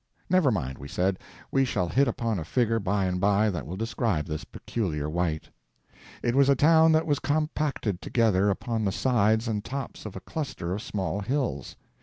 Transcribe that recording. Never mind, we said; we shall hit upon a figure by and by that will describe this peculiar white. It was a town that was compacted together upon the sides and tops of a cluster of small hills.